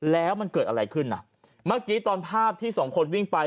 แล้วมันเกิดอะไรขึ้นอ่ะเมื่อกี้ตอนภาพที่สองคนวิ่งไป